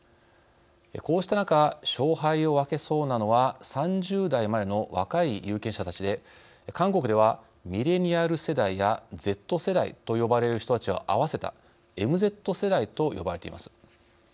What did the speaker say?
こうした中勝敗を分けそうなのは３０代までの若い有権者たちで韓国では「ミレニアル世代」や「Ｚ世代」と呼ばれる人たちを合わせた「ＭＺ世代」と呼ばれています。